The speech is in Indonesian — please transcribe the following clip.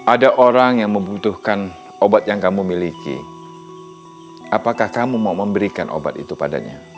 ada orang yang membutuhkan obat yang kamu miliki apakah kamu mau memberikan obat itu padanya